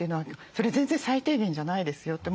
それは全然最低限じゃないですよって。